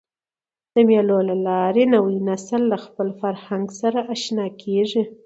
د مېلو له لاري نوی نسل له خپل فرهنګ سره اشنا کېږي.